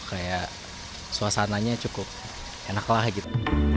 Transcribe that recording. kayak suasananya cukup enak lah gitu